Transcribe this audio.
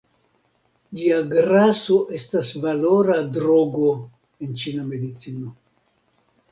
Ĝia graso estas valora drogo en ĉina medicino.